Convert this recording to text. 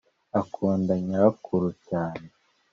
akunda nyirakuru cyane